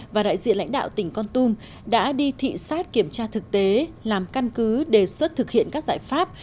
và đại diện lãnh đạo tỉnh con tum đã đi thị xát kiểm tra thực tế làm căn cứ đề xuất thực hiện các giải pháp